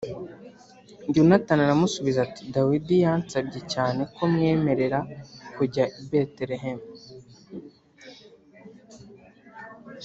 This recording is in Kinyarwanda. Yonatani aramusubiza ati “Dawidi yansabye cyane ko mwemerera kujya i Betelehemu.